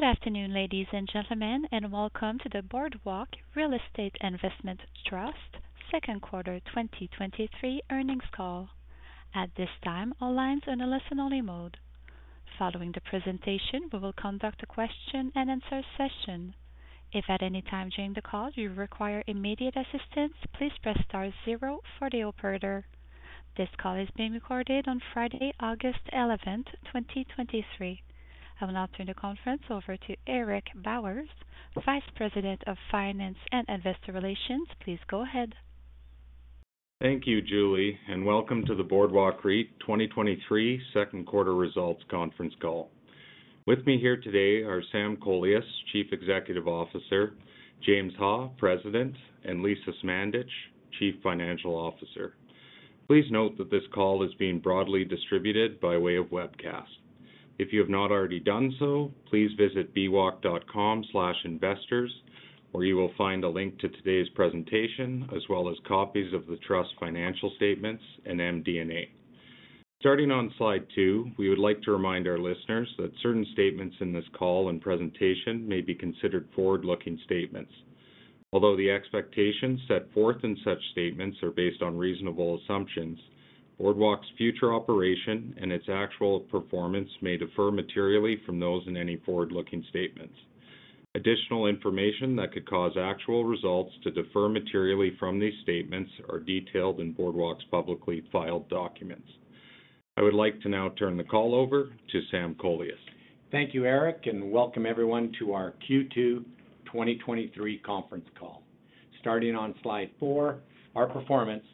Good afternoon, ladies and gentlemen, and welcome to the Boardwalk Real Estate Investment Trust second quarter 2023 earnings call. At this time, all lines on a listen only mode. Following the presentation, we will conduct a question and answer session. If at any time during the call you require immediate assistance, please press star zero for the operator. This call is being recorded on Friday, August 11th, 2023. I will now turn the conference over to Eric Bowers, Vice President of Finance and Investor Relations. Please go ahead. Thank you, Julie, and welcome to the Boardwalk REIT 2023 second quarter results conference call. With me here today are Sam Kolias, Chief Executive Officer, James Ha, President, and Lisa Smandych, Chief Financial Officer. Please note that this call is being broadly distributed by way of webcast. If you have not already done so, please visit bwalk.com/investors, where you will find a link to today's presentation, as well as copies of the Trust financial statements and MD&A. Starting on slide two, we would like to remind our listeners that certain statements in this call and presentation may be considered forward-looking statements. Although the expectations set forth in such statements are based on reasonable assumptions, Boardwalk's future operation and its actual performance may defer materially from those in any forward-looking statements. Additional information that could cause actual results to defer materially from these statements are detailed in Boardwalk's publicly filed documents. I would like to now turn the call over to Sam Kolias. Thank you, Eric, welcome everyone to our Q2 2023 conference call. Starting on slide four, our performance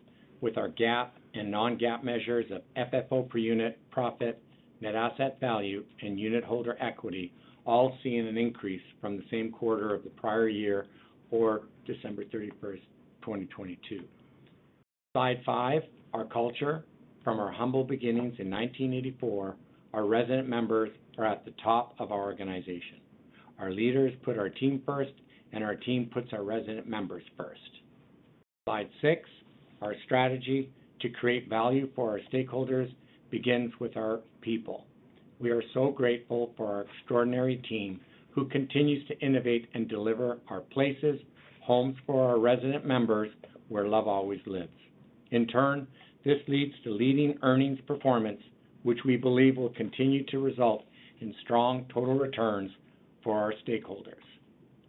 with our GAAP and non-GAAP measures of FFO per unit, profit, net asset value, and unitholder equity, all seeing an increase from the same quarter of the prior year or December 31st, 2022. Slide five, Our culture. From our humble beginnings in 1984, our resident members are at the top of our organization. Our leaders put our team first, our team puts our resident members first. Slide six. Our strategy to create value for our stakeholders begins with our people. We are so grateful for our extraordinary team, who continues to innovate and deliver our places, homes for our resident members, where love always lives. In turn, this leads to leading earnings performance, which we believe will continue to result in strong total returns for our stakeholders.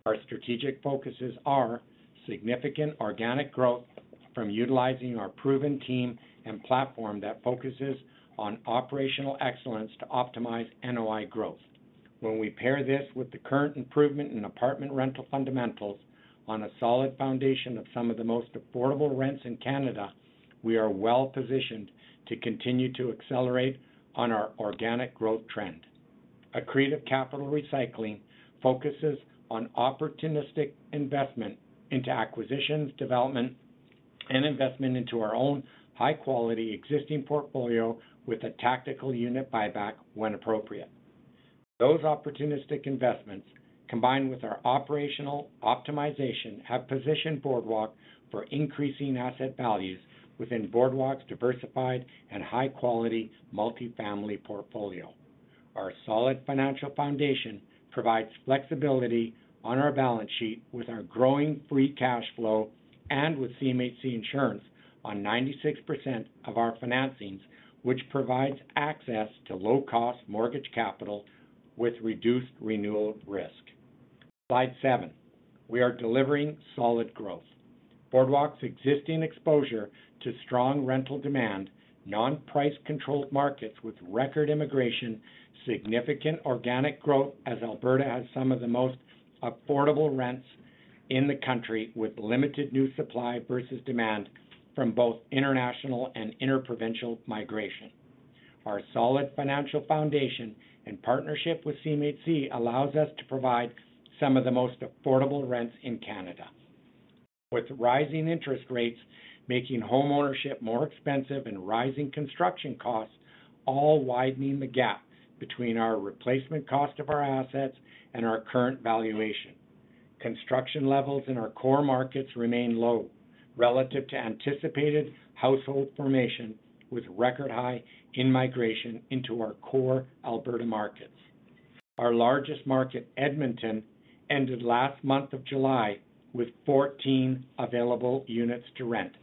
Our strategic focuses are: significant organic growth from utilizing our proven team and platform that focuses on operational excellence to optimize NOI growth. When we pair this with the current improvement in apartment rental fundamentals on a solid foundation of some of the most affordable rents in Canada, we are well positioned to continue to accelerate on our organic growth trend. Accretive capital recycling focuses on opportunistic investment into acquisitions, development, and investment into our own high-quality existing portfolio with a tactical unit buyback when appropriate. Those opportunistic investments, combined with our operational optimization, have positioned Boardwalk for increasing asset values within Boardwalk's diversified and high-quality multifamily portfolio. Our solid financial foundation provides flexibility on our balance sheet with our growing free cash flow and with CMHC insurance on 96% of our financings, which provides access to low-cost mortgage capital with reduced renewal risk. Slide seven. We are delivering solid growth. Boardwalk's existing exposure to strong rental demand, non-price controlled markets with record immigration, significant organic growth as Alberta has some of the most affordable rents in the country, with limited new supply versus demand from both international and inter-provincial migration. Our solid financial foundation and partnership with CMHC allows us to provide some of the most affordable rents in Canada. With rising interest rates making homeownership more expensive and rising construction costs, all widening the gap between our replacement cost of our assets and our current valuation. Construction levels in our core markets remain low relative to anticipated household formation, with record high in migration into our core Alberta markets. Our largest market, Edmonton, ended last month of July with 14 available units to rent,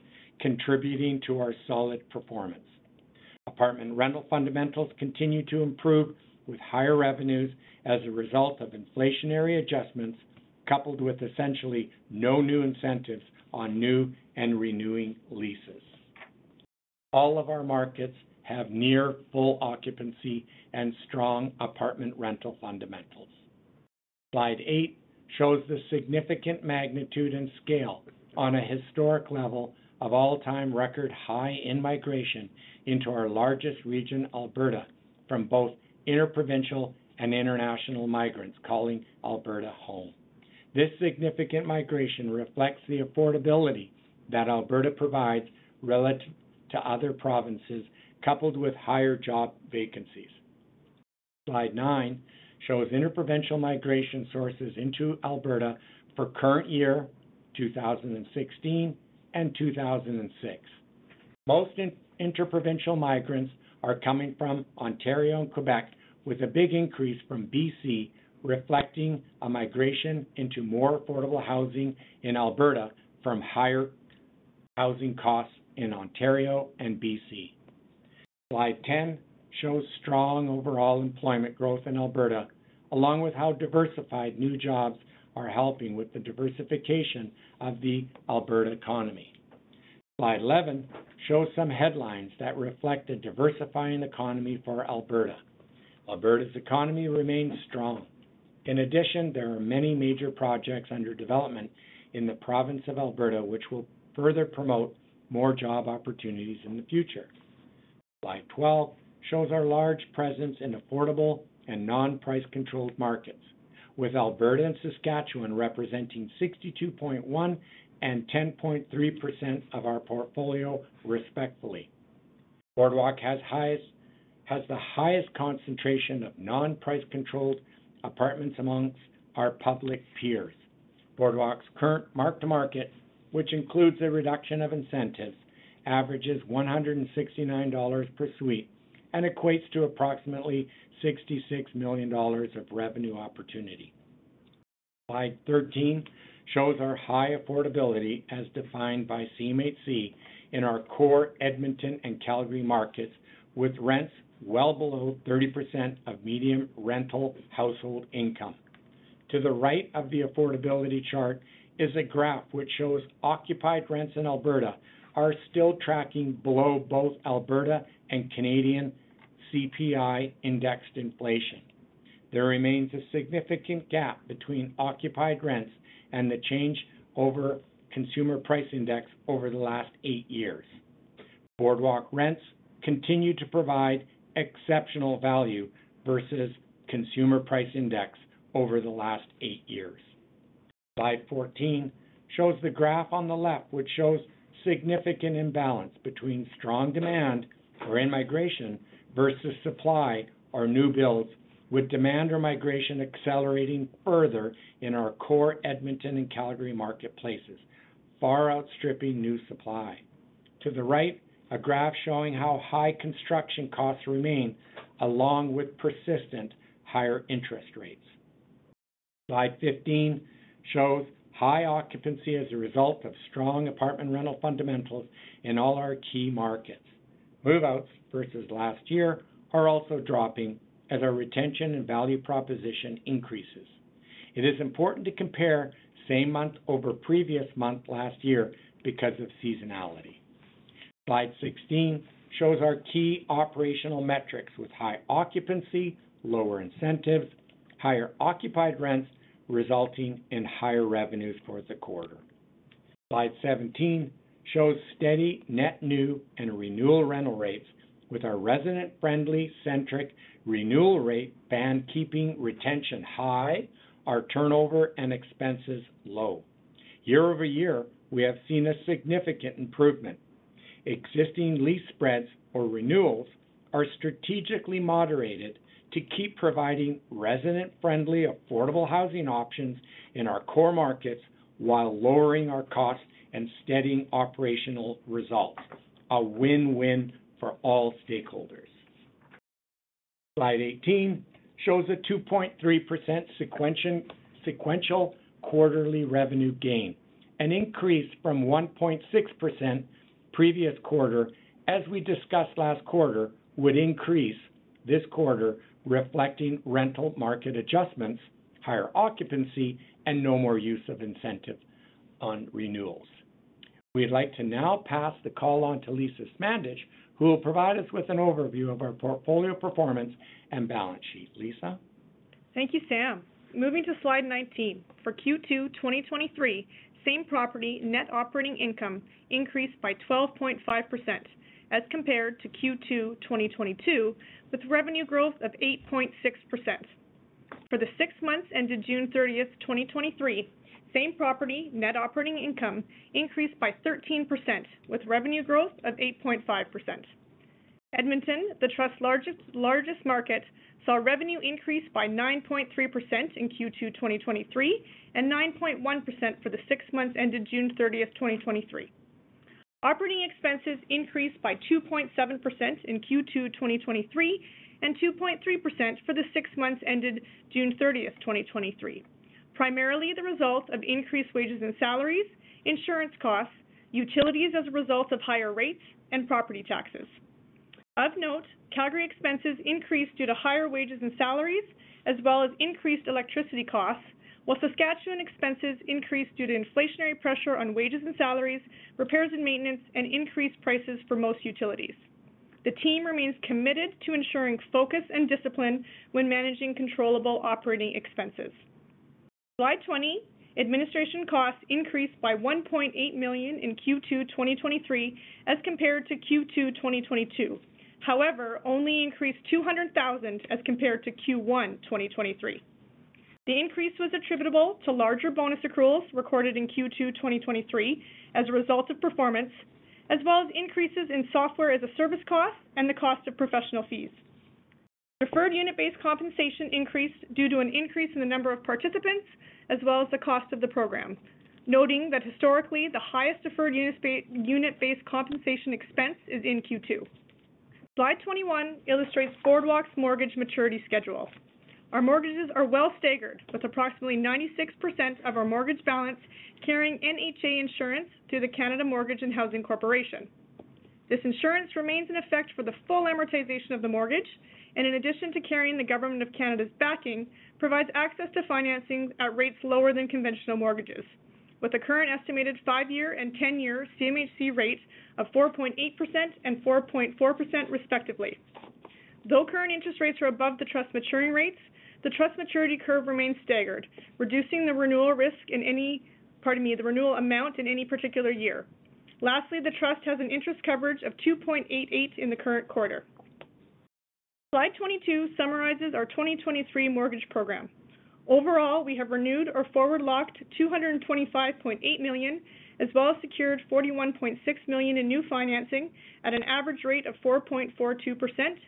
contributing to our solid performance. Apartment rental fundamentals continue to improve, with higher revenues as a result of inflationary adjustments, coupled with essentially no new incentives on new and renewing leases. All of our markets have near full occupancy and strong apartment rental fundamentals. Slide eight shows the significant magnitude and scale on a historic level of all-time record high in migration into our largest region, Alberta, from both interprovincial and international migrants calling Alberta home. This significant migration reflects the affordability that Alberta provides relative to other provinces, coupled with higher job vacancies. Slide nine shows interprovincial migration sources into Alberta for current year, 2016 and 2006. Most in-interprovincial migrants are coming from Ontario and Quebec, with a big increase from B.C., reflecting a migration into more affordable housing in Alberta from higher housing costs in Ontario and B.C. Slide 10 shows strong overall employment growth in Alberta, along with how diversified new jobs are helping with the diversification of the Alberta economy. Slide 11 shows some headlines that reflect a diversifying economy for Alberta. Alberta's economy remains strong. In addition, there are many major projects under development in the province of Alberta, which will further promote more job opportunities in the future. Slide 12 shows our large presence in affordable and non-price-controlled markets, with Alberta and Saskatchewan representing 62.1% and 10.3% of our portfolio, respectfully. Boardwalk has the highest concentration of non-price-controlled apartments amongst our public peers. Boardwalk's current mark-to-market, which includes a reduction of incentives, averages 169 dollars per suite and equates to approximately 66 million dollars of revenue opportunity. Slide 13 shows our high affordability, as defined by CMHC in our core Edmonton and Calgary markets, with rents well below 30% of median rental household income. To the right of the affordability chart is a graph which shows occupied rents in Alberta are still tracking below both Alberta and Canadian CPI indexed inflation. There remains a significant gap between occupied rents and the change over consumer price index over the last eight years. Boardwalk rents continue to provide exceptional value versus consumer price index over the last eight years. Slide 14 shows the graph on the left, which shows significant imbalance between strong demand or in-migration versus supply or new builds, with demand or migration accelerating further in our core Edmonton and Calgary marketplaces, far outstripping new supply. To the right, a graph showing how high construction costs remain, along with persistent higher interest rates. Slide 15 shows high occupancy as a result of strong apartment rental fundamentals in all our key markets. Move-outs versus last year are also dropping as our retention and value proposition increases. It is important to compare same month over previous month, last year, because of seasonality. Slide 16 shows our key operational metrics with high occupancy, lower incentives, higher occupied rents, resulting in higher revenues for the quarter. Slide 17 shows steady net new and renewal rental rates with our resident-friendly centric renewal rate band keeping retention high, our turnover and expenses low. Year-over-year, we have seen a significant improvement. Existing lease spreads or renewals are strategically moderated to keep providing resident-friendly, affordable housing options in our core markets while lowering our costs and steadying operational results. A win-win for all stakeholders. Slide 18 shows a 2.3% sequential quarterly revenue gain, an increase from 1.6% previous quarter, as we discussed last quarter, would increase this quarter, reflecting rental market adjustments, higher occupancy, and no more use of incentive on renewals. We'd like to now pass the call on to Lisa Smandych, who will provide us with an overview of our portfolio performance and balance sheet. Lisa? Thank you, Sam. Moving to slide 19. For Q2 2023, same-property net operating income increased by 12.5% as compared to Q2 2022, with revenue growth of 8.6%. For the 6 months ended June 30th, 2023, same-property net operating income increased by 13%, with revenue growth of 8.5%. Edmonton, the trust's largest, largest market, saw revenue increase by 9.3% in Q2 2023 and 9.1% for the 6 months ended June 30th, 2023. Operating expenses increased by 2.7% in Q2 2023 and 2.3% for the 6 months ended June 30th, 2023, primarily the result of increased wages and salaries, insurance costs, utilities as a result of higher rates and property taxes. Of note, Calgary expenses increased due to higher wages and salaries, as well as increased electricity costs, while Saskatchewan expenses increased due to inflationary pressure on wages and salaries, repairs and maintenance, and increased prices for most utilities. The team remains committed to ensuring focus and discipline when managing controllable operating expenses. Slide 20, administration costs increased by 1.8 million in Q2 2023 as compared to Q2 2022. only increased 200,000 as compared to Q1 2023. The increase was attributable to larger bonus accruals recorded in Q2 2023 as a result of performance, as well as increases in software as a service cost and the cost of professional fees. deferred unit-based compensation increased due to an increase in the number of participants, as well as the cost of the program, noting that historically, the highest deferred unit-based compensation expense is in Q2. Slide 21 illustrates Boardwalk's mortgage maturity schedule. Our mortgages are well staggered, with approximately 96% of our mortgage balance carrying NHA insurance through the Canada Mortgage and Housing Corporation. This insurance remains in effect for the full amortization of the mortgage, and in addition to carrying the Government of Canada's backing, provides access to financing at rates lower than conventional mortgages. With the current estimated 5-year and 10-year CMHC rates of 4.8% and 4.4%, respectively. Though current interest rates are above the trust maturing rates, the trust maturity curve remains staggered, reducing the renewal risk in any, pardon me, the renewal amount in any particular year. Lastly, the trust has an interest coverage of 2.88x in the current quarter. Slide 22 summarizes our 2023 mortgage program. Overall, we have renewed or forward-locked 225.8 million, as well as secured 41.6 million in new financing at an average rate of 4.42%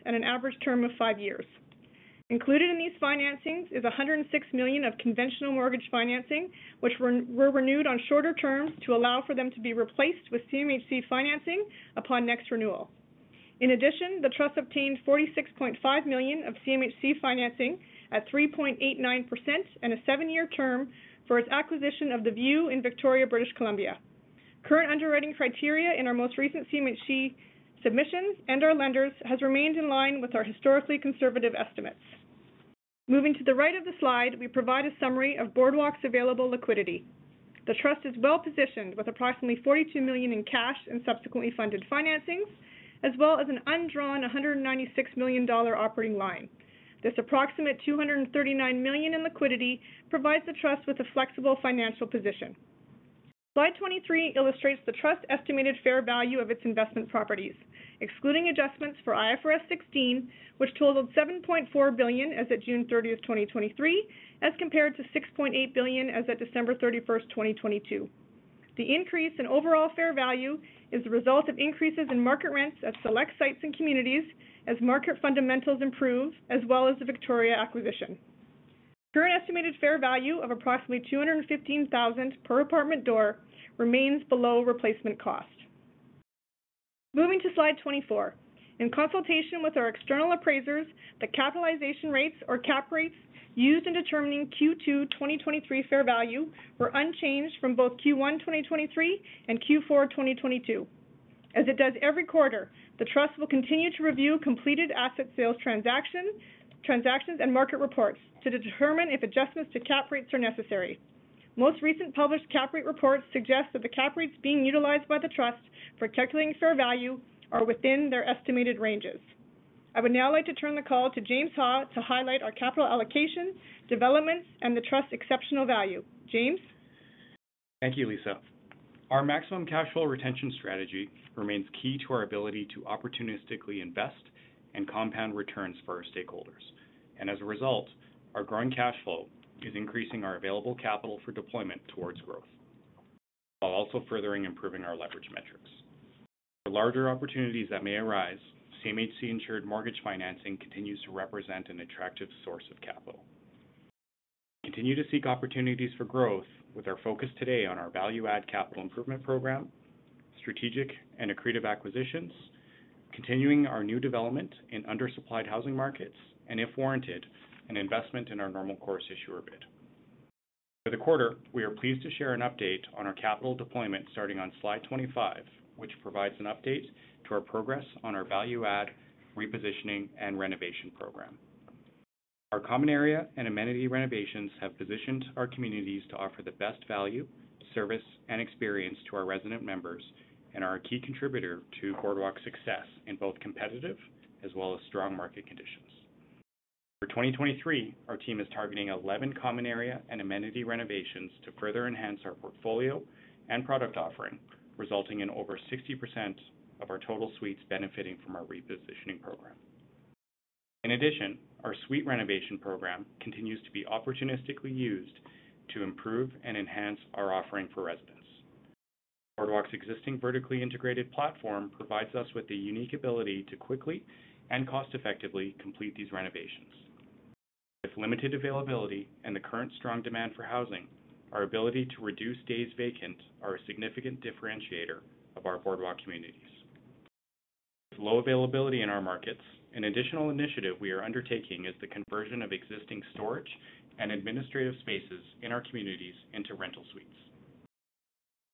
and an average term of 5 years. Included in these financings is 106 million of conventional mortgage financing, which were renewed on shorter terms to allow for them to be replaced with CMHC financing upon next renewal. The trust obtained 46.5 million of CMHC financing at 3.89% and a 7-year term for its acquisition of The View in Victoria, British Columbia. Current underwriting criteria in our most recent CMHC submissions and our lenders has remained in line with our historically conservative estimates. Moving to the right of the slide, we provide a summary of Boardwalk's available liquidity. The trust is well-positioned with approximately 42 million in cash and subsequently funded financings, as well as an undrawn 196 million dollar operating line. This approximate 239 million in liquidity provides the trust with a flexible financial position. Slide 23 illustrates the trust's estimated fair value of its investment properties, excluding adjustments for IFRS 16, which totaled 7.4 billion as of June 30th, 2023, as compared to 6.8 billion as at December 31st, 2022. The increase in overall fair value is the result of increases in market rents at select sites and communities as market fundamentals improve, as well as the Victoria acquisition. Current estimated fair value of approximately 215,000 per apartment door remains below replacement cost. Moving to slide 24. In consultation with our external appraisers, the capitalization rates or cap rates used in determining Q2 2023 fair value were unchanged from both Q1 2023 and Q4 2022. As it does every quarter, the trust will continue to review completed asset sales transactions and market reports to determine if adjustments to cap rates are necessary. Most recent published cap rate reports suggest that the cap rates being utilized by the trust for calculating fair value are within their estimated ranges. I would now like to turn the call to James Ha to highlight our capital allocation, developments, and the trust's exceptional value. James? Thank you, Lisa. Our maximum cash flow retention strategy remains key to our ability to opportunistically invest and compound returns for our stakeholders. As a result, our growing cash flow is increasing our available capital for deployment towards growth, while also furthering improving our leverage metrics. The larger opportunities that may arise, CMHC insured mortgage financing continues to represent an attractive source of capital. Continue to seek opportunities for growth with our focus today on our value add capital improvement program, strategic and accretive acquisitions, continuing our new development in under-supplied housing markets, and if warranted, an investment in our Normal Course Issuer Bid. For the quarter, we are pleased to share an update on our capital deployment starting on slide 25, which provides an update to our progress on our value add, repositioning, and renovation program. Our common area and amenity renovations have positioned our communities to offer the best value, service, and experience to our resident members and are a key contributor to Boardwalk's success in both competitive as well as strong market conditions. For 2023, our team is targeting 11 common area and amenity renovations to further enhance our portfolio and product offering, resulting in over 60% of our total suites benefiting from our repositioning program. In addition, our suite renovation program continues to be opportunistically used to improve and enhance our offering for residents. Boardwalk's existing vertically integrated platform provides us with the unique ability to quickly and cost-effectively complete these renovations. With limited availability and the current strong demand for housing, our ability to reduce days vacant are a significant differentiator of our Boardwalk communities. With low availability in our markets, an additional initiative we are undertaking is the conversion of existing storage and administrative spaces in our communities into rental suites.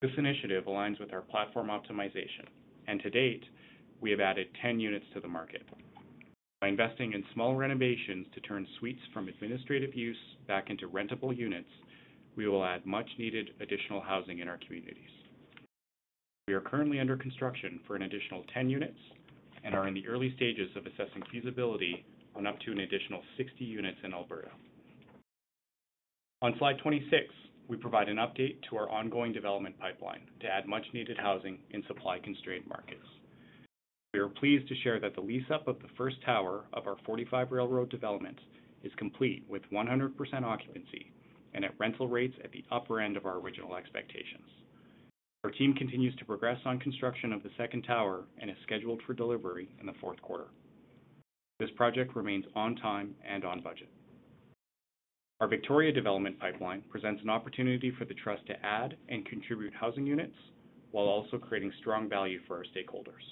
This initiative aligns with our platform optimization, and to date, we have added 10 units to the market. By investing in small renovations to turn suites from administrative use back into rentable units, we will add much needed additional housing in our communities. We are currently under construction for an additional 10 units and are in the early stages of assessing feasibility on up to an additional 60 units in Alberta. On slide 26, we provide an update to our ongoing development pipeline to add much needed housing in supply-constrained markets. We are pleased to share that the lease-up of the first tower of our 45 Railroad development is complete with 100% occupancy and at rental rates at the upper end of our original expectations. Our team continues to progress on construction of the second tower and is scheduled for delivery in the fourth quarter. This project remains on time and on budget. Our Victoria development pipeline presents an opportunity for the trust to add and contribute housing units, while also creating strong value for our stakeholders.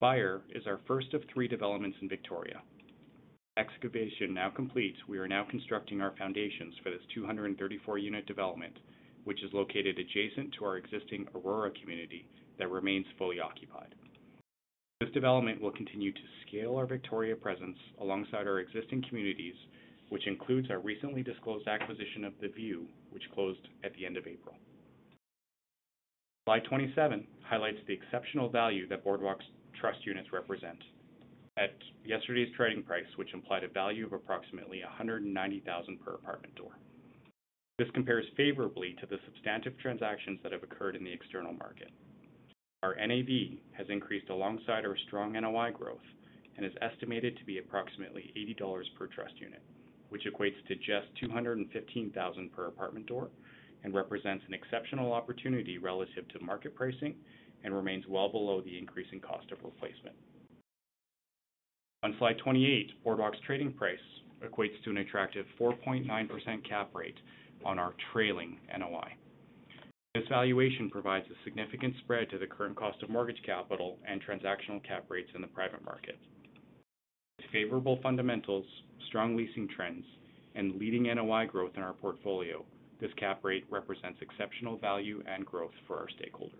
Aspire is our first of three developments in Victoria. Excavation now complete, we are now constructing our foundations for this 234 unit development, which is located adjacent to our existing Aurora community that remains fully occupied. This development will continue to scale our Victoria presence alongside our existing communities, which includes our recently disclosed acquisition of The View, which closed at the end of April. Slide 27 highlights the exceptional value that Boardwalk's trust units represent. At yesterday's trading price, which implied a value of approximately 190,000 per apartment door. This compares favorably to the substantive transactions that have occurred in the external market. Our NAV has increased alongside our strong NOI growth and is estimated to be approximately 80 dollars per trust unit, which equates to just 215,000 per apartment door and represents an exceptional opportunity relative to market pricing and remains well below the increasing cost of replacement. On slide 28, Boardwalk's trading price equates to an attractive 4.9% cap rate on our trailing NOI. This valuation provides a significant spread to the current cost of mortgage capital and transactional cap rates in the private market. Favorable fundamentals, strong leasing trends, and leading NOI growth in our portfolio, this cap rate represents exceptional value and growth for our stakeholders.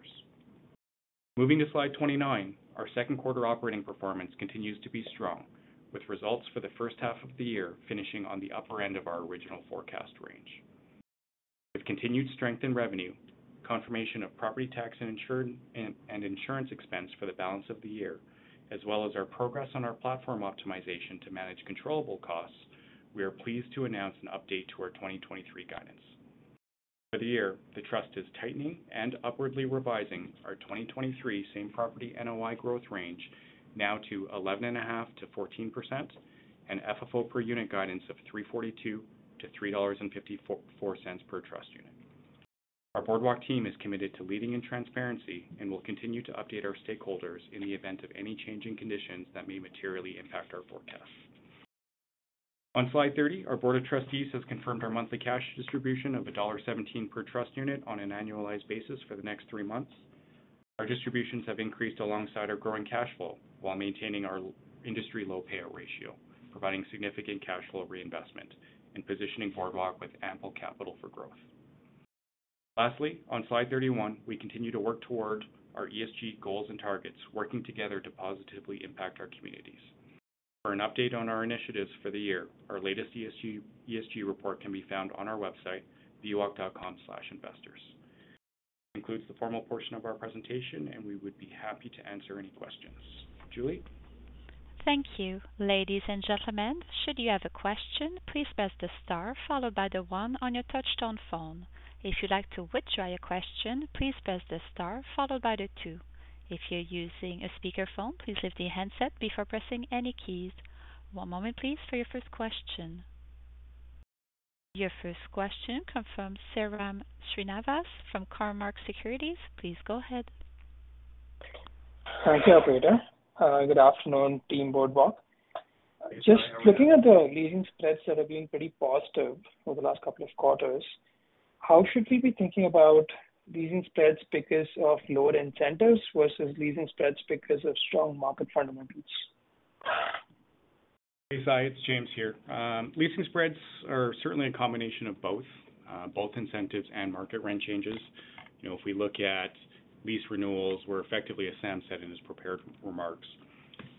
Moving to slide 29, our second quarter operating performance continues to be strong, with results for the first half of the year finishing on the upper end of our original forecast range. With continued strength in revenue, confirmation of property tax and insurance expense for the balance of the year, as well as our progress on our platform optimization to manage controllable costs, we are pleased to announce an update to our 2023 guidance. For the year, the trust is tightening and upwardly revising our 2023 same property NOI growth range now to 11.5%-14%, and FFO per unit guidance of 3.42-3.54 dollars per trust unit. Our Boardwalk team is committed to leading in transparency and will continue to update our stakeholders in the event of any changing conditions that may materially impact our forecast. On slide 30, our board of trustees has confirmed our monthly cash distribution of dollar 1.17 per trust unit on an annualized basis for the next three months. Our distributions have increased alongside our growing cash flow while maintaining our industry low payout ratio, providing significant cash flow reinvestment and positioning Boardwalk with ample capital for growth. Lastly, on slide 31, we continue to work toward our ESG goals and targets, working together to positively impact our communities. For an update on our initiatives for the year, our latest ESG, ESG report can be found on our website, bwalk.com/investors. This concludes the formal portion of our presentation. We would be happy to answer any questions. Julie? Thank you. Ladies and gentlemen, should you have a question, please press the star followed by the one on your touchtone phone. If you'd like to withdraw your question, please press the star followed by the two. If you're using a speakerphone, please lift the handset before pressing any keys. One moment, please, for your first question. Your first question comes from Sairam Srinivas from Cormark Securities. Please go ahead. Thank you, operator. Good afternoon, team Boardwalk. Just looking at the leasing spreads that have been pretty positive over the last couple of quarters, how should we be thinking about leasing spreads because of lower incentives versus leasing spreads because of strong market fundamentals? Hey, Sai, it's James here. Leasing spreads are certainly a combination of both incentives and market rent changes. You know, if we look at lease renewals, where effectively, as Sam said in his prepared remarks,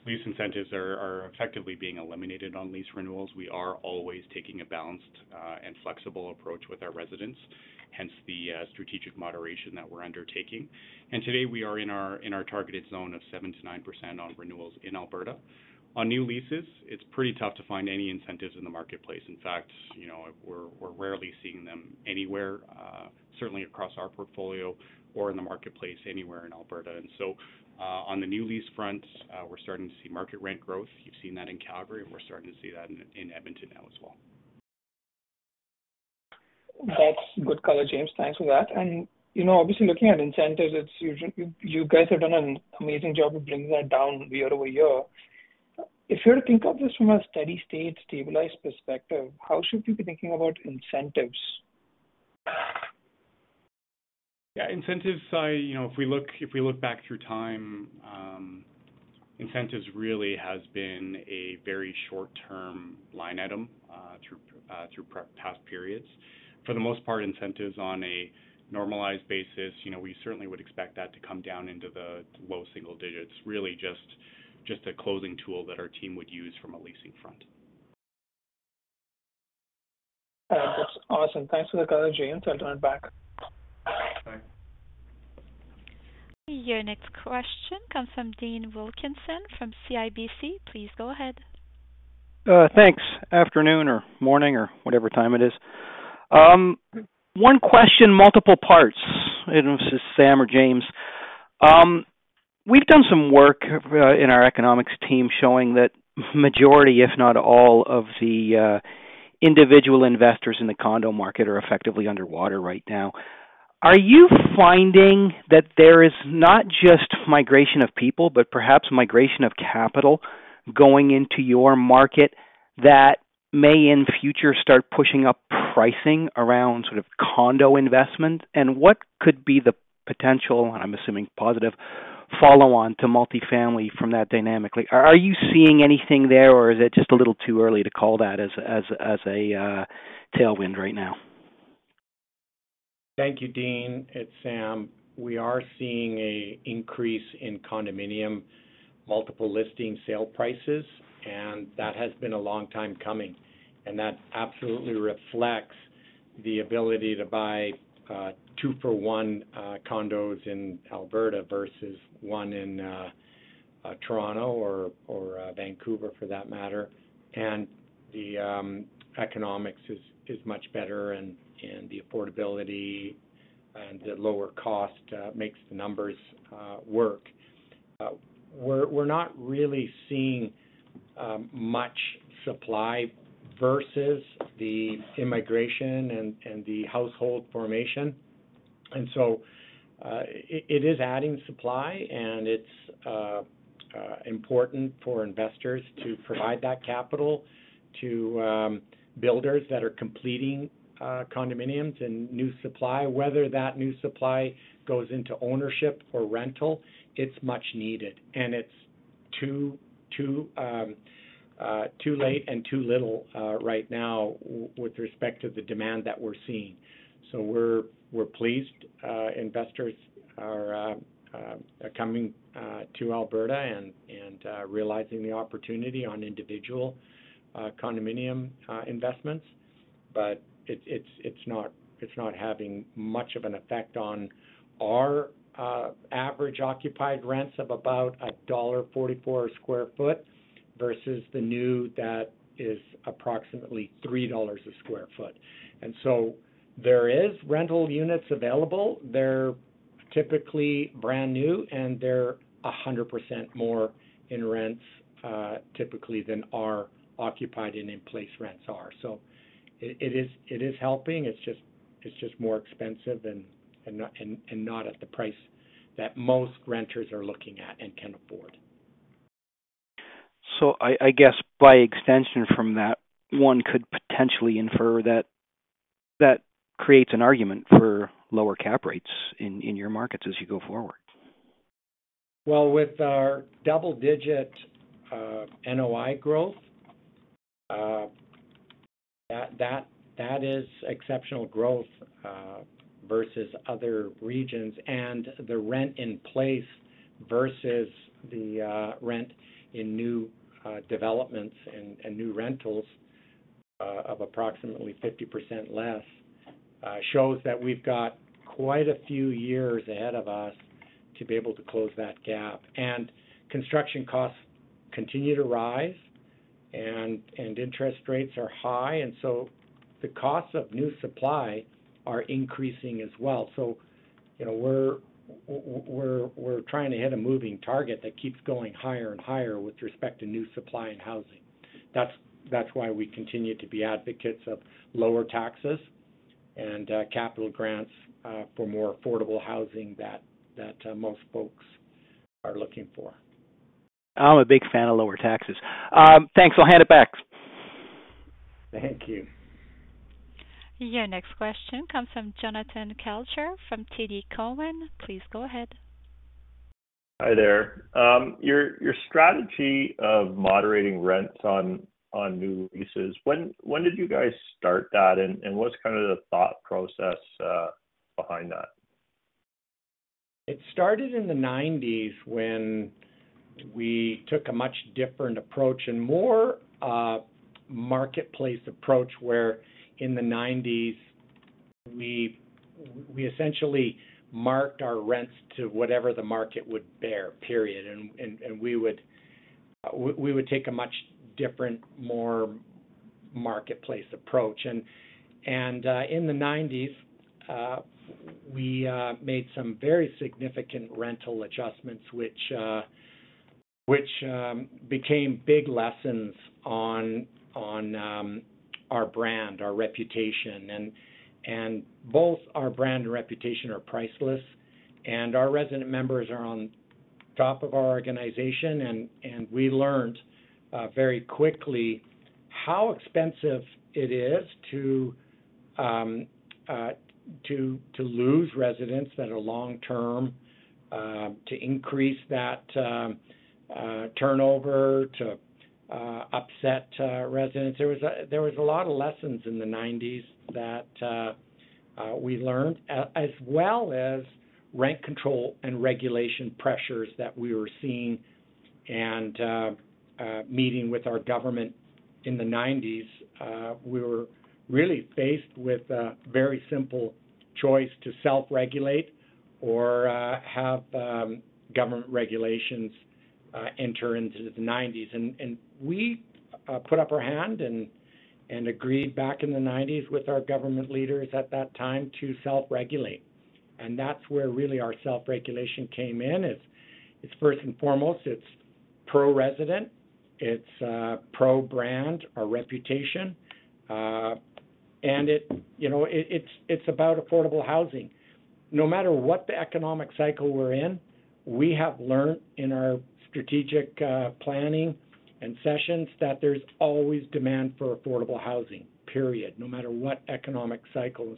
lease incentives are effectively being eliminated on lease renewals. We are always taking a balanced and flexible approach with our residents, hence the strategic moderation that we're undertaking. Today we are in our targeted zone of 7%-9% on renewals in Alberta. On new leases, it's pretty tough to find any incentives in the marketplace. In fact, you know, we're rarely seeing them anywhere, certainly across our portfolio or in the marketplace, anywhere in Alberta. On the new lease front, we're starting to see market rent growth. You've seen that in Calgary, and we're starting to see that in, in Edmonton now as well. That's good color, James. Thanks for that. You know, obviously looking at incentives, you guys have done an amazing job of bringing that down year-over-year. If you were to think of this from a steady state, stabilized perspective, how should we be thinking about incentives? Yeah, incentives, Sai, you know, if we look, if we look back through time, incentives really has been a very short-term line item through past periods. For the most part, incentives on a normalized basis, you know, we certainly would expect that to come down into the low single digits. Really just, just a closing tool that our team would use from a leasing front. That's awesome. Thanks for the color, James. I'll turn it back. Thanks. Your next question comes from Dean Wilkinson from CIBC. Please go ahead. Thanks. Afternoon or morning or whatever time it is. One question, multiple parts. I don't know if this is Sam or James. We've done some work in our economics team showing that majority, if not all, of the individual investors in the condo market are effectively underwater right now. Are you finding that there is not just migration of people, but perhaps migration of capital going into your market that may, in the future, start pushing up pricing around sort of condo investment? What could be the potential, I'm assuming, positive follow-on to multifamily from that dynamically? Are you seeing anything there, or is it just a little too early to call that a tailwind right now? Thank you, Dean. It's Sam. We are seeing a increase in condominium, multiple listing sale prices, and that has been a long time coming, and that absolutely reflects the ability to buy, two for one, condos in Alberta versus one in Toronto or, or Vancouver, for that matter. The economics is, is much better, and, and the affordability and the lower cost makes the numbers work. We're, we're not really seeing much supply versus the immigration and, and the household formation. It, it is adding supply, and it's important for investors to provide that capital to builders that are completing condominiums and new supply. Whether that new supply goes into ownership or rental, it's much needed, and it's too, too, too late and too little right now with respect to the demand that we're seeing. We're, we're pleased. Investors are coming to Alberta and realizing the opportunity on individual condominium investments. It's, it's, it's not, it's not having much of an effect on our average occupied rents of about CAD 1.44 a sq ft versus the new that is approximately 3 dollars a sq ft. There is rental units available. They're typically brand new, and they're 100% more in rents, typically, than our occupied and in-place rents are. It, it is, it is helping. It's just, it's just more expensive and, and not, and, and not at the price that most renters are looking at and can afford. I, I guess by extension from that, one could potentially infer that that creates an argument for lower cap rates in, in your markets as you go forward. Well, with our double-digit NOI growth, that, that, that is exceptional growth versus other regions, and the rent in place versus the rent in new developments and new rentals, of approximately 50% less, shows that we've got quite a few years ahead of us to be able to close that gap. Construction costs continue to rise, and interest rates are high, and so the costs of new supply are increasing as well. You know, we're, we're, we're trying to hit a moving target that keeps going higher and higher with respect to new supply in housing. That's, that's why we continue to be advocates of lower taxes and capital grants for more affordable housing that, that, most folks are looking for. I'm a big fan of lower taxes. Thanks. I'll hand it back. Thank you. Your next question comes from Jonathan Kelcher from TD Cowen. Please go ahead. Hi there. Your, your strategy of moderating rents on, on new leases, when, when did you guys start that, and, and what's kind of the thought process behind that? It started in the 1990s when we took a much different approach and more marketplace approach, where in the 1990s we, we essentially marked our rents to whatever the market would bear. We would take a much different, more marketplace approach. In the 1990s we made some very significant rental adjustments, which became big lessons on our brand, our reputation, and both our brand and reputation are priceless, and our resident members are on top of our organization, and we learned very quickly how expensive it is to lose residents that are long-term, to increase that turnover, to upset residents. There was a, there was a lot of lessons in the 1990s that we learned, as well as rent control and regulation pressures that we were seeing. Meeting with our government in the 1990s, we were really faced with a very simple choice to self-regulate or have government regulations enter into the 1990s. We put up our hand and agreed back in the 1990s with our government leaders at that time to self-regulate. That's where really our self-regulation came in. It's, it's first and foremost, it's pro resident, it's pro brand, our reputation, and it, you know, it, it's, it's about affordable housing. No matter what the economic cycle we're in, we have learned in our strategic planning and sessions that there's always demand for affordable housing, period, no matter what economic cycle.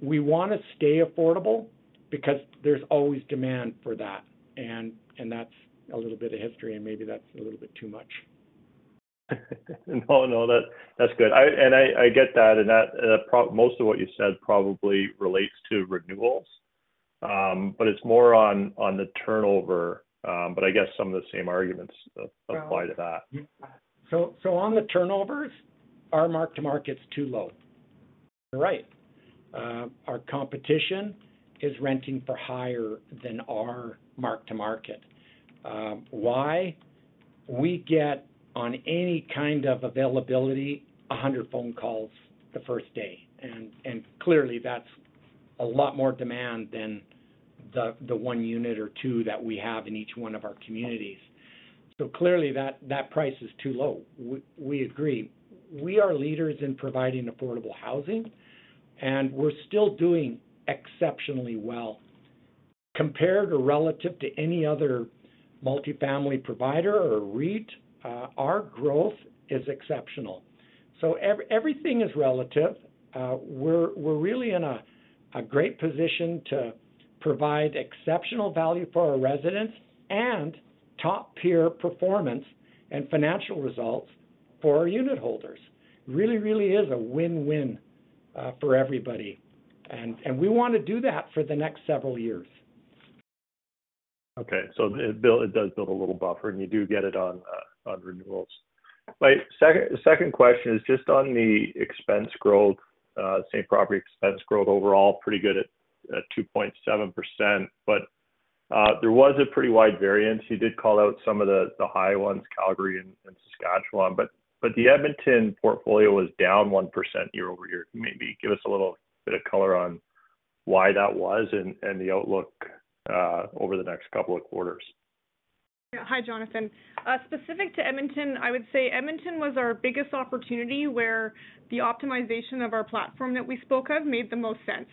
We wanna stay affordable because there's always demand for that, and, and that's a little bit of history, and maybe that's a little bit too much. No, no, that, that's good. I and I, I get that, and that, most of what you said probably relates to renewals, but it's more on, on the turnover. I guess some of the same arguments apply to that. On the turnovers, our mark-to-market's too low. You're right. Our competition is renting for higher than our mark-to-market. Why? We get on any kind of availability, 100 phone calls the first day, and clearly, that's a lot more demand than the 1 unit or 2 that we have in each one of our communities. Clearly, that price is too low. We agree. We are leaders in providing affordable housing, and we're still doing exceptionally well. Compared or relative to any other multifamily provider or REIT, our growth is exceptional. Everything is relative. We're really in a great position to provide exceptional value for our residents and top-peer performance and financial results for our unitholders. Really, really is a win-win for everybody, and we wanna do that for the next several years. Okay. It does build a little buffer, and you do get it on renewals. My second question is just on the expense growth, same property expense growth overall, pretty good at 2.7%, but there was a pretty wide variance. You did call out some of the high ones, Calgary and Saskatchewan, but the Edmonton portfolio was down 1% year-over-year. Maybe give us a little bit of color on why that was and the outlook over the next couple of quarters. Hi, Jonathan. Specific to Edmonton, I would say Edmonton was our biggest opportunity, where the optimization of our platform that we spoke of made the most sense,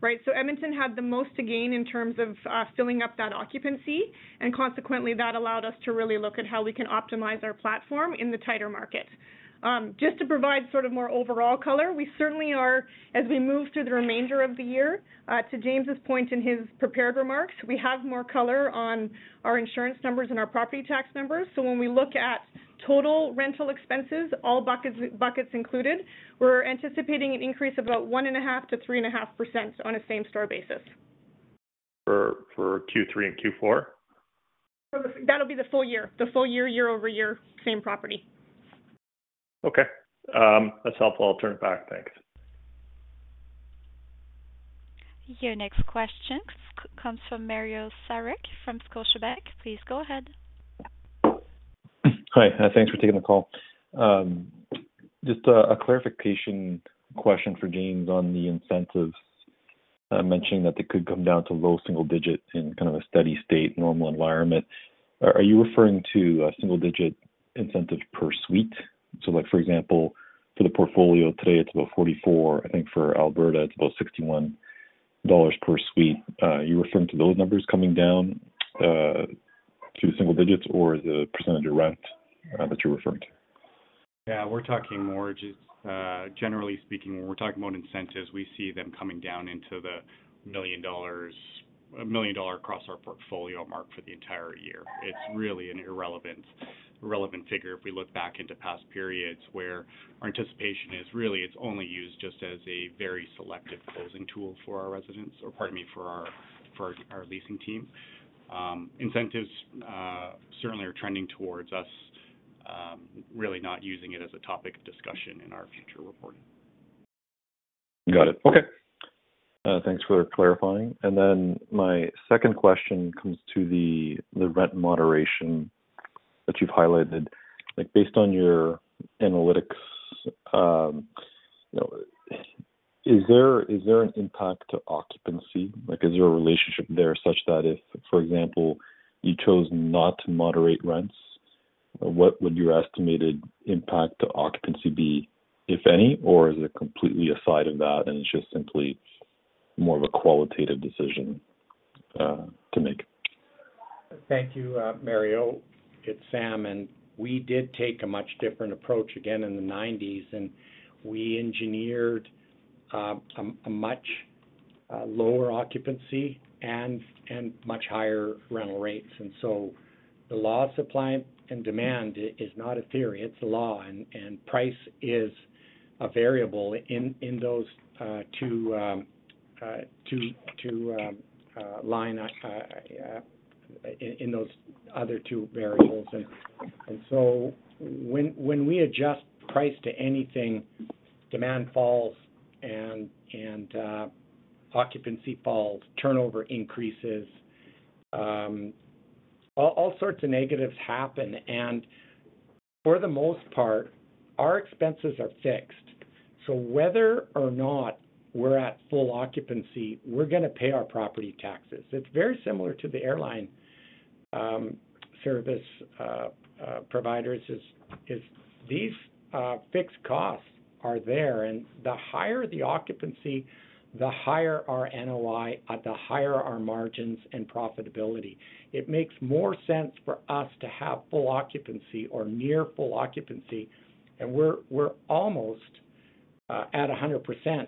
right? Edmonton had the most to gain in terms of filling up that occupancy, and consequently, that allowed us to really look at how we can optimize our platform in the tighter market. Just to provide sort of more overall color, we certainly are, as we move through the remainder of the year, to James's point in his prepared remarks, we have more color on our insurance numbers and our property tax numbers. When we look at total rental expenses, all buckets, buckets included, we're anticipating an increase of about 1.5%-3.5% on a same-store basis. For, for Q3 and Q4? That'll be the full year. The full year, year-over-year, same property. Okay. That's helpful. I'll turn it back. Thanks. Your next question comes from Mario Saric from Scotiabank. Please go ahead. Hi, thanks for taking the call. Just a clarification question for James on the incentives, mentioning that they could come down to low single digits in kind of a steady state, normal environment. Are you referring to a single digit incentive per suite? So like, for example, for the portfolio today, it's about 44. I think for Alberta, it's about 61 dollars per suite. Are you referring to those numbers coming down to single digits, or is it the percentage of rent that you're referring to? Yeah, we're talking more just generally speaking, when we're talking about incentives, we see them coming down into 1 million dollars across our portfolio mark for the entire year. It's really an irrelevant, irrelevant figure if we look back into past periods, where our anticipation is really, it's only used just as a very selective closing tool for our residents, or pardon me, for our, for our leasing team. Incentives certainly are trending towards us, really not using it as a topic of discussion in our future reporting. Got it. Okay. Thanks for clarifying. Then my second question comes to the, the rent moderation that you've highlighted. Like, based on your analytics, you know, is there, is there an impact to occupancy? Like, is there a relationship there such that if, for example, you chose not to moderate rents, what would your estimated impact to occupancy be, if any, or is it completely aside of that, and it's just simply more of a qualitative decision to make? Thank you, Mario. It's Sam, and we did take a much different approach again in the 1990s, and we engineered a much lower occupancy and much higher rental rates. The law of supply and demand is not a theory, it's a law, and price is a variable in those other two variables. When we adjust price to anything, demand falls, occupancy falls, turnover increases, all sorts of negatives happen. For the most part, our expenses are fixed. Whether or not we're at full occupancy, we're gonna pay our property taxes. It's very similar to the airline service providers, these fixed costs are there, and the higher the occupancy, the higher our NOI, the higher our margins and profitability. It makes more sense for us to have full occupancy or near full occupancy, and we're, we're almost at 100%,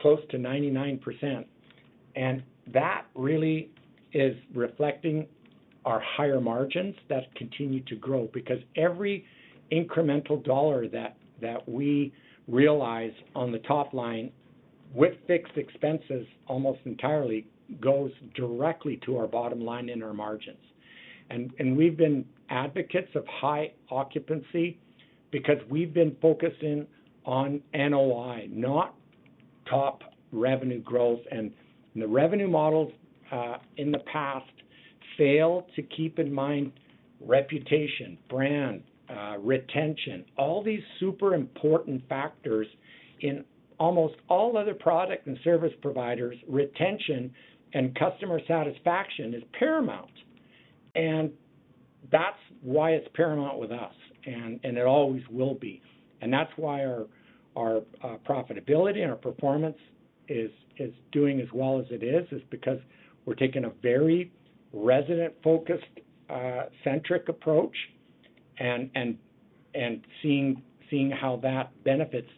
close to 99%. That really is reflecting our higher margins that continue to grow, because every incremental dollar that, that we realize on the top line, with fixed expenses, almost entirely goes directly to our bottom line and our margins. We've been advocates of high occupancy because we've been focusing on NOI, not top revenue growth. The revenue models, in the past failed to keep in mind, reputation, brand, retention, all these super important factors. In almost all other product and service providers, retention and customer satisfaction is paramount, and that's why it's paramount with us, and, and it always will be. That's why our, our, profitability and our performance is, is doing as well as it is, is because we're taking a very resident-focused, centric approach and, and, and seeing, seeing how that benefits,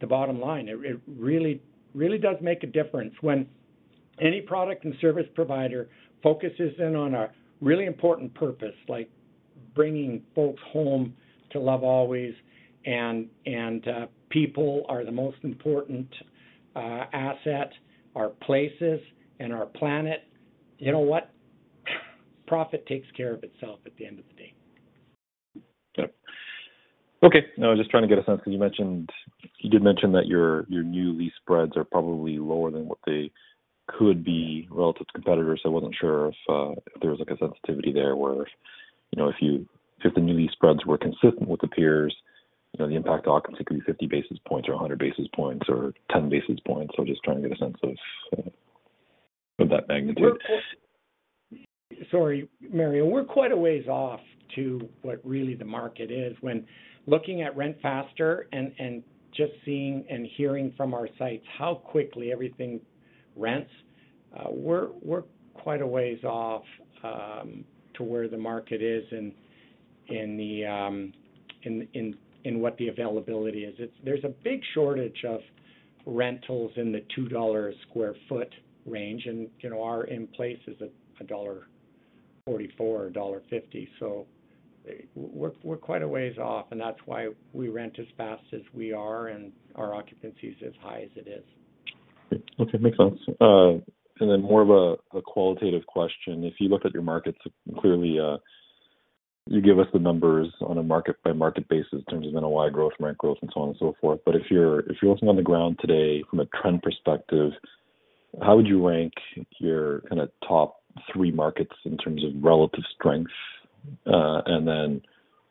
the bottom line. It, it really, really does make a difference when any product and service provider focuses in on a really important purpose, like bringing folks home to love always, and, and, people are the most important, asset, our places and our planet. You know what? Profit takes care of itself at the end of the day. Yep. Okay, now I'm just trying to get a sense, 'cause you mentioned, you did mention that your, your new lease spreads are probably lower than what they could be relative to competitors. I wasn't sure if, if there was, like, a sensitivity there where, you know, if you, if the new lease spreads were consistent with the peers, you know, the impact on occupancy could be 50 basis points or 100 basis points or 10 basis points. Just trying to get a sense of that magnitude. Sorry, Mario. We're quite a ways off to what really the market is. When looking at RentFaster and just seeing and hearing from our sites how quickly everything rents, we're, we're quite a ways off to where the market is in what the availability is. There's a big shortage of rentals in the 2 dollar a sq ft range, you know, our in place is a dollar 1.44, a dollar 1.50, so we're, we're quite a ways off, and that's why we rent as fast as we are, and our occupancy is as high as it is. Okay, makes sense. Then more of a, a qualitative question. If you look at your markets, clearly, you give us the numbers on a market-by-market basis in terms of NOI growth, rent growth, and so on and so forth. If you're, if you're looking on the ground today from a trend perspective, how would you rank your kind of top three markets in terms of relative strength, and then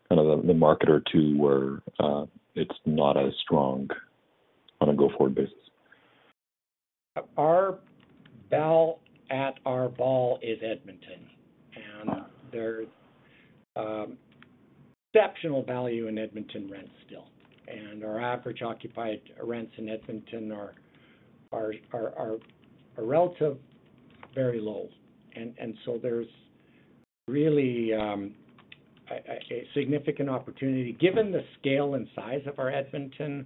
kind of the, the market or two where it's not as strong on a go-forward basis? Our bell at our ball is Edmonton. Uh. There's exceptional value in Edmonton rents still, and our average occupied rents in Edmonton are relative, very low. There's really a significant opportunity. Given the scale and size of our Edmonton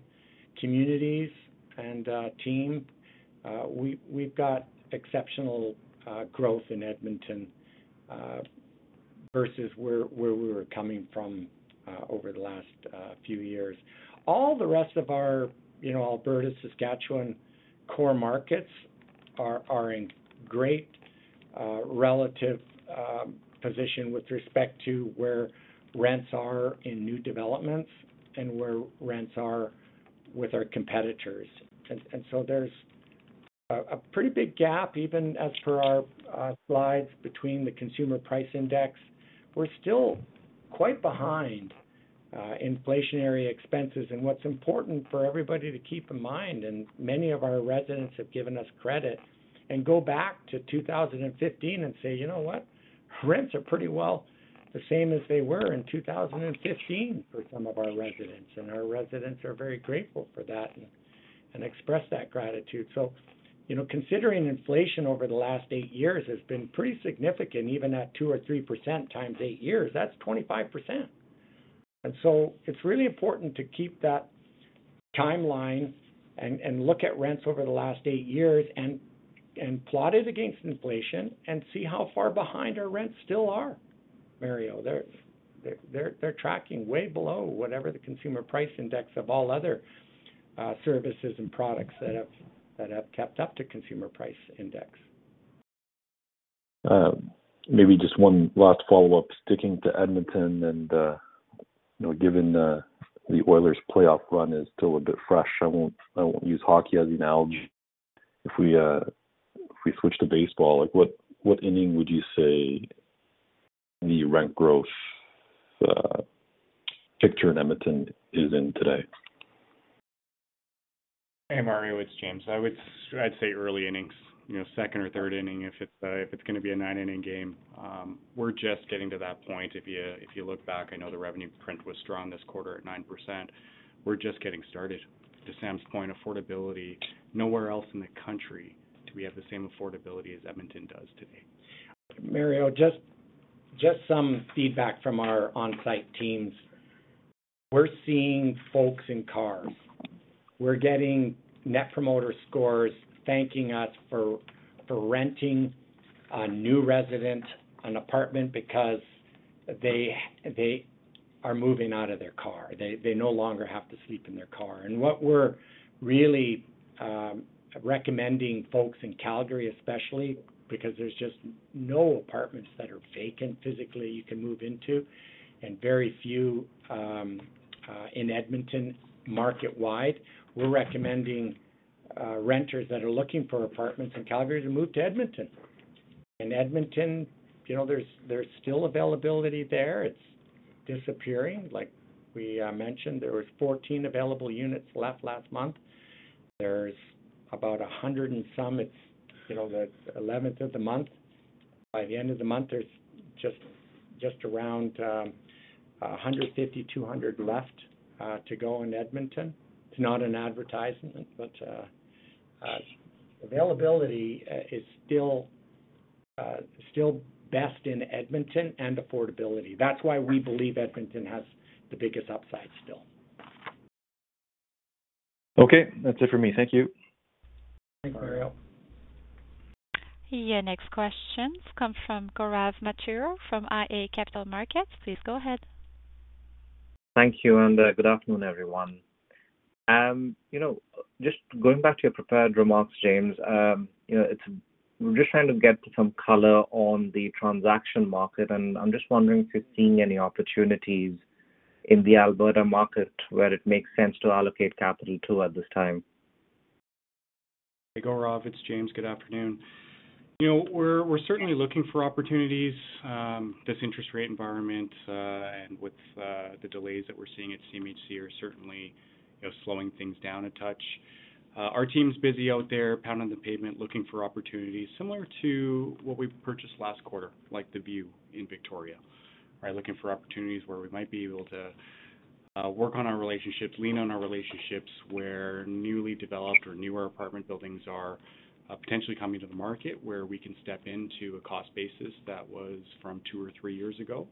communities and team, we've got exceptional growth in Edmonton versus where we were coming from over the last few years. All the rest of our, you know, Alberta, Saskatchewan, core markets are in great relative position with respect to where rents are in new developments and where rents are with our competitors. There's a pretty big gap, even as per our slides between the consumer price index. We're still quite behind inflationary expenses. What's important for everybody to keep in mind, and many of our residents have given us credit, and go back to 2015 and say, "You know what? Rents are pretty well the same as they were in 2015" for some of our residents. Our residents are very grateful for that and, and express that gratitude. You know, considering inflation over the last 8 years has been pretty significant, even at 2% or 3% times 8 years, that's 25%. It's really important to keep that timeline and, and look at rents over the last 8 years and, and plot it against inflation and see how far behind our rents still are, Mario. They're tracking way below whatever the Consumer Price Index of all other services and products that have kept up to Consumer Price Index. Maybe just one last follow-up, sticking to Edmonton and, you know, given the Oilers playoff run is still a bit fresh, I won't, I won't use hockey as analogy. If we switch to baseball, like, what, what inning would you say the rent growth picture in Edmonton is in today? Hey, Mario, it's James. I'd say early innings, you know, second or third inning if it's, if it's gonna be a nine-inning game. We're just getting to that point. If you, if you look back, I know the revenue print was strong this quarter at 9%. We're just getting started. To Sam's point, affordability, nowhere else in the country do we have the same affordability as Edmonton does today. Mario, just some feedback from our on-site teams. We're seeing folks in cars. We're getting Net Promoter Score thanking us for renting a new resident an apartment because they are moving out of their car. They no longer have to sleep in their car. What we're really recommending folks in Calgary, especially, because there's just no apartments that are vacant physically, you can move into, and very few in Edmonton, market-wide. We're recommending renters that are looking for apartments in Calgary to move to Edmonton. In Edmonton, you know, there's still availability there. It's disappearing. Like we mentioned, there was 14 available units left last month. There's about 100 and some. It's, you know, the 11th of the month. By the end of the month, there's just, just around 150-200 left to go in Edmonton. It's not an advertisement, but availability is still best in Edmonton and affordability. That's why we believe Edmonton has the biggest upside still. Okay. That's it for me. Thank you. Thanks, Mario. Your next questions come from Gaurav Mathur, from iA Capital Markets. Please go ahead. Thank you. Good afternoon, everyone. You know, just going back to your prepared remarks, James, you know, it's, we're just trying to get some color on the transaction market, and I'm just wondering if you're seeing any opportunities in the Alberta market where it makes sense to allocate capital to at this time. Hey, Gaurav, it's James. Good afternoon. You know, we're, we're certainly looking for opportunities. This interest rate environment, and with the delays that we're seeing at CMHC are certainly, you know, slowing things down a touch. Our team's busy out there pounding the pavement, looking for opportunities similar to what we purchased last quarter, like The View in Victoria. Right? Looking for opportunities where we might be able to work on our relationships, lean on our relationships, where newly developed or newer apartment buildings are potentially coming to the market, where we can step into a cost basis that was from two or three years ago,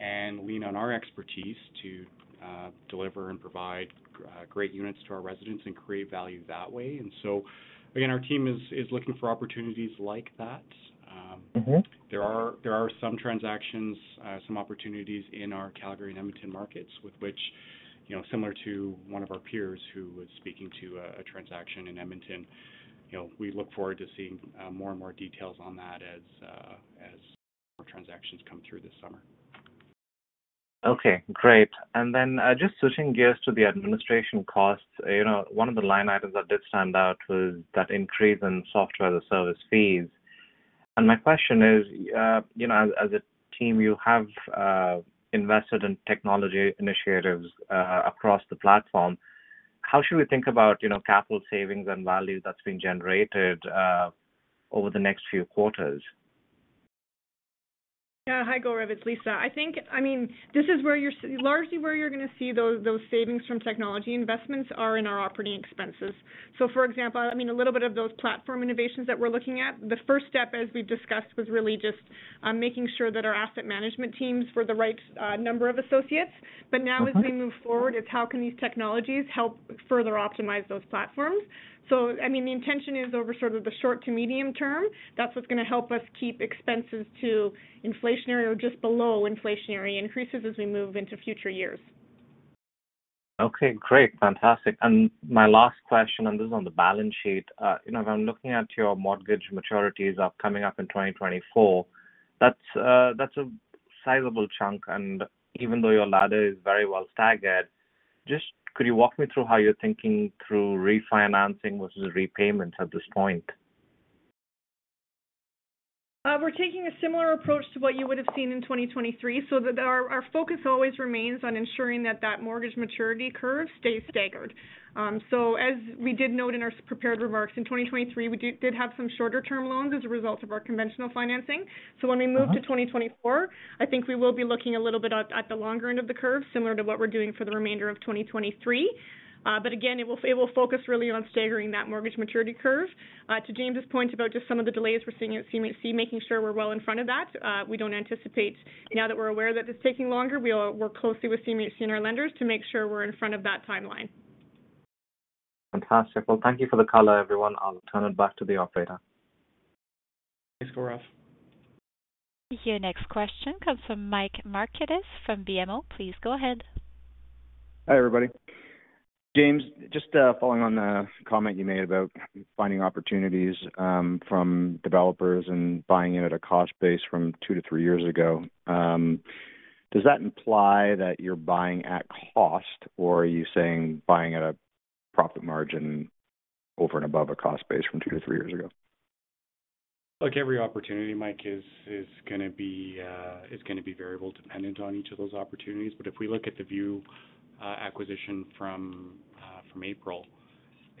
and lean on our expertise to deliver and provide great units to our residents and create value that way. Again, our team is, is looking for opportunities like that. Mm-hmm. There are, there are some transactions, some opportunities in our Calgary and Edmonton markets with which, you know, similar to one of our peers who was speaking to a, a transaction in Edmonton. You know, we look forward to seeing more and more details on that as more transactions come through this summer. Okay, great. Then, just switching gears to the administration costs. You know, one of the line items that did stand out was that increase in software as a service fees. My question is, you know, as, as a team, you have, invested in technology initiatives, across the platform, how should we think about, you know, capital savings and value that's being generated, over the next few quarters? Yeah. Hi, Gaurav, it's Lisa. I think, I mean, this is where you're largely where you're gonna see those, those savings from technology investments are in our operating expenses. For example, I mean, a little bit of those platform innovations that we're looking at, the first step, as we've discussed, was really just making sure that our asset management teams were the right number of associates. Mm-hmm. Now as we move forward, it's how can these technologies help further optimize those platforms? I mean, the intention is over sort of the short to medium term, that's what's gonna help us keep expenses to inflationary or just below inflationary increases as we move into future years. Okay, great. Fantastic. My last question, and this is on the balance sheet. You know, when looking at your mortgage maturities up, coming up in 2024, that's a sizable chunk, and even though your ladder is very well staggered, just could you walk me through how you're thinking through refinancing versus repayment at this point? We're taking a similar approach to what you would have seen in 2023, so that our, our focus always remains on ensuring that that mortgage maturity curve stays staggered. As we did note in our prepared remarks, in 2023, we did have some shorter-term loans as a result of our conventional financing. Uh-huh. When we move to 2024, I think we will be looking a little bit at, at the longer end of the curve, similar to what we're doing for the remainder of 2023. Again, it will, it will focus really on staggering that mortgage maturity curve. To James' point about just some of the delays we're seeing at CMHC, making sure we're well in front of that, we don't anticipate. Now that we're aware that it's taking longer, we'll work closely with CMHC and our lenders to make sure we're in front of that timeline. Fantastic. Well, thank you for the color, everyone. I'll turn it back to the operator. Thanks, Gaurav. Your next question comes from Mike Markidis from BMO. Please go ahead. Hi, everybody. James, just following on the comment you made about finding opportunities from developers and buying in at a cost base from 2-3 years ago. Does that imply that you're buying at cost, or are you saying buying at a profit margin over and above a cost base from two to three years ago? Every opportunity, Mike, is, is gonna be, is gonna be variable, dependent on each of those opportunities. If we look at The View, acquisition from, from April,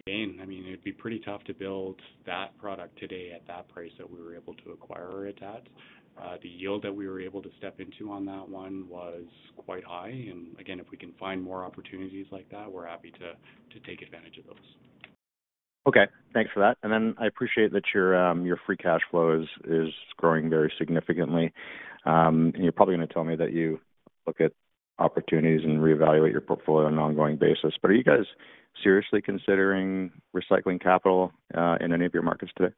again, I mean, it'd be pretty tough to build that product today at that price that we were able to acquire it at. The yield that we were able to step into on that one was quite high, and again, if we can find more opportunities like that, we're happy to, to take advantage of those. Okay, thanks for that. I appreciate that your free cash flow is, is growing very significantly. You're probably gonna tell me that you look at opportunities and reevaluate your portfolio on an ongoing basis, but are you guys seriously considering recycling capital in any of your markets today?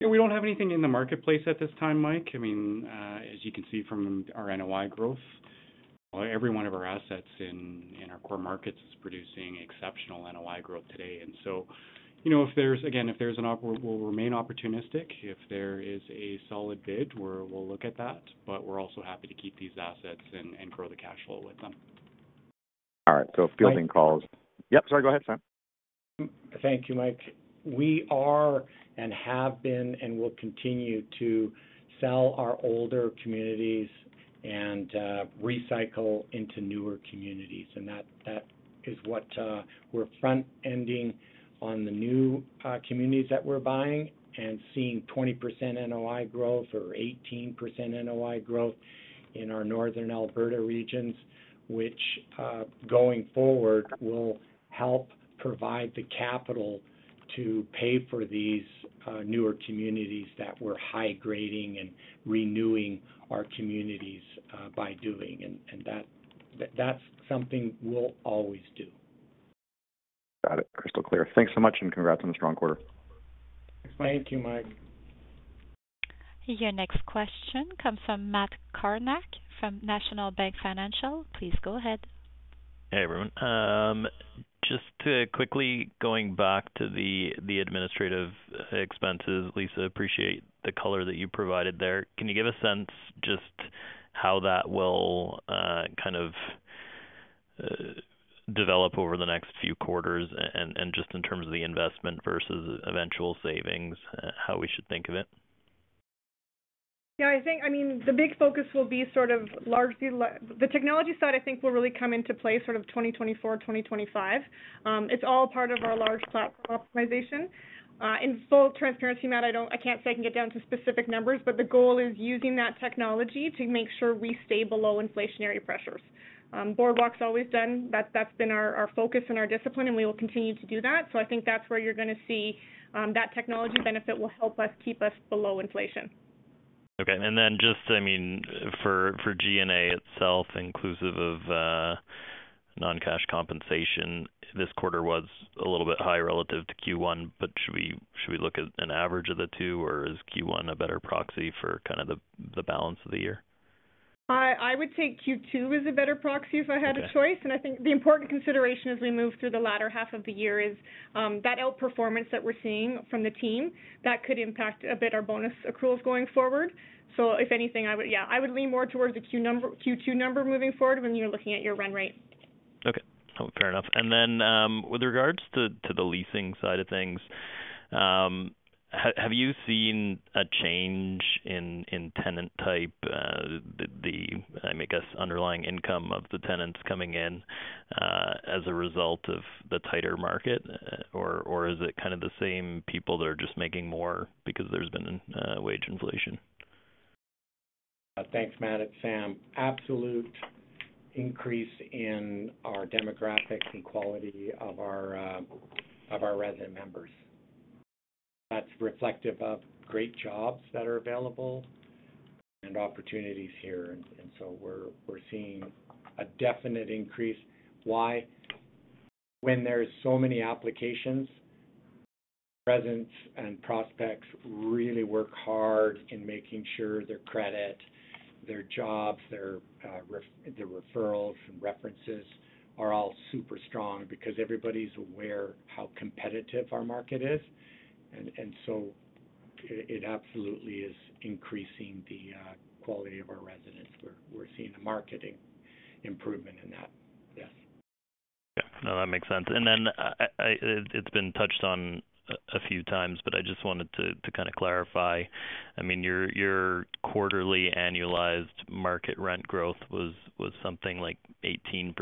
Yeah, we don't have anything in the marketplace at this time, Mike. I mean, as you can see from our NOI growth, every one of our assets in, in our core markets is producing exceptional NOI growth today. you know, if there's, again, if there's an we'll remain opportunistic. If there is a solid bid, we'll look at that, but we're also happy to keep these assets and, and grow the cash flow with them. All right. So fielding calls. Mike. Yep, sorry, go ahead, Sam. Thank you, Mike. We are, and have been, and will continue to sell our older communities and recycle into newer communities. That, that is what we're front-ending on the new communities that we're buying and seeing 20% NOI growth or 18% NOI growth in our northern Alberta regions. Which, going forward, will help provide the capital to pay for these newer communities that we're high-grading and renewing our communities by doing, and that, that's something we'll always do. Got it. Crystal clear. Thanks so much, and congrats on the strong quarter. Thanks, Mike. Thank you, Mike. Your next question comes from Matt Kornack from National Bank Financial. Please go ahead. Hey, everyone. Just to quickly going back to the administrative expenses, Lisa, appreciate the color that you provided there. Can you give a sense just how that will, kind of, develop over the next few quarters, and just in terms of the investment versus eventual savings, how we should think of it? Yeah, I think, I mean, the big focus will be sort of largely the technology side, I think, will really come into play sort of 2024, 2025. It's all part of our large platform optimization. In full transparency, Matt, I don't- I can't say I can get down to specific numbers, but the goal is using that technology to make sure we stay below inflationary pressures. Boardwalk's always done that. That's been our, our focus and our discipline, and we will continue to do that. I think that's where you're gonna see that technology benefit will help us keep us below inflation. Okay. Just, I mean, for G&A itself, inclusive of non-cash compensation, this quarter was a little bit high relative to Q1, but should we look at an average of the 2, or is Q1 a better proxy for kind of the balance of the year? I, I would say Q2 is a better proxy if I had a choice. Okay. I think the important consideration as we move through the latter half of the year is, that outperformance that we're seeing from the team, that could impact a bit our bonus accruals going forward. If anything, I would. Yeah, I would lean more towards the Q number, Q2 number moving forward when you're looking at your run rate. Okay, fair enough. With regards to, to the leasing side of things, have you seen a change in, in tenant type, I guess, underlying income of the tenants coming in, as a result of the tighter market? Or is it kind of the same people that are just making more because there's been wage inflation? Thanks, Matt, it's Sam. Absolute increase in our demographics and quality of our resident members. That's reflective of great jobs that are available and opportunities here. We're seeing a definite increase. Why? When there's so many applications, residents and prospects really work hard in making sure their credit, their jobs, their referrals and references are all super strong because everybody's aware how competitive our market is. It absolutely is increasing the quality of our residents. We're seeing a marketing improvement in that. Yes. Yeah. No, that makes sense. I, I, it's been touched on a few times, but I just wanted to kind of clarify. I mean, your quarterly annualized market rent growth was something like 18%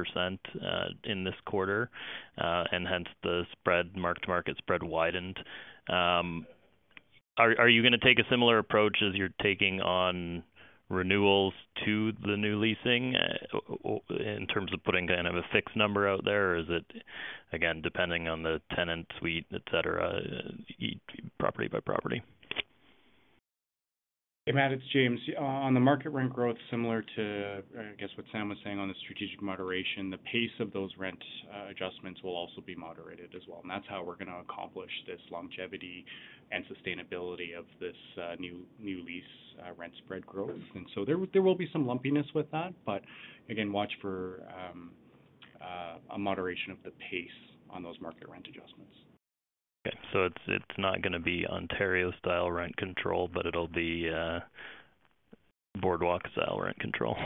in this quarter, and hence the spread, mark-to-market spread widened. Are you gonna take a similar approach as you're taking on renewals to the new leasing, in terms of putting kind of a fixed number out there? Or is it, again, depending on the tenant suite, etc., property by property? Hey, Matt, it's James. On the market rent growth, similar to, I guess, what Sam was saying on the strategic moderation, the pace of those adjustments will also be moderated as well, and that's how we're going to accomplish this longevity and sustainability of this new, new lease rent spread growth. There, there will be some lumpiness with that, but again, watch for a moderation of the pace on those market rent adjustments. Okay. it's, it's not gonna be Ontario-style rent control, but it'll be, Boardwalk-style rent control?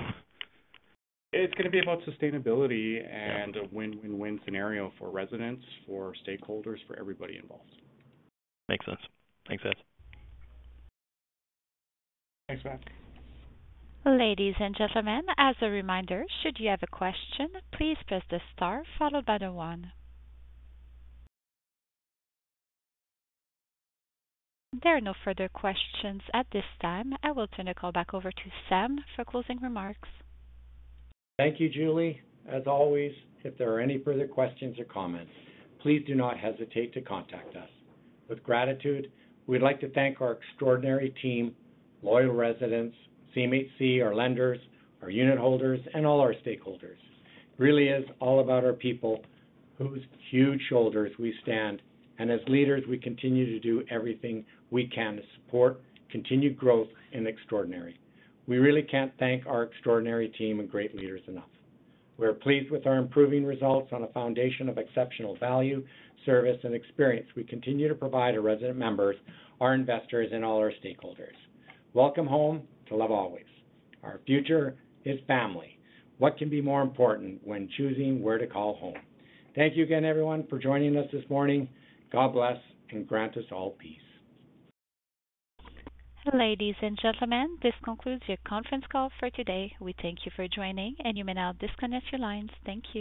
It's gonna be about sustainability. Yeah. A win-win-win scenario for residents, for stakeholders, for everybody involved. Makes sense. Thanks, Ed. Thanks, Matt. Ladies and gentlemen, as a reminder, should you have a question, please press the star followed by the one. There are no further questions at this time. I will turn the call back over to Sam for closing remarks. Thank you, Julie. As always, if there are any further questions or comments, please do not hesitate to contact us. With gratitude, we'd like to thank our extraordinary team, loyal residents, CMHC, our lenders, our unitholders, and all our stakeholders. It really is all about our people, whose huge shoulders we stand on. As leaders, we continue to do everything we can to support continued growth and extraordinary. We really can't thank our extraordinary team and great leaders enough. We are pleased with our improving results on a foundation of exceptional value, service, and experience we continue to provide our resident members, our investors, and all our stakeholders. Welcome home to Love Always. Our future is family. What can be more important when choosing where to call home? Thank you again, everyone, for joining us this morning. God bless and grant us all peace. Ladies and gentlemen, this concludes your conference call for today. We thank you for joining, and you may now disconnect your lines. Thank you.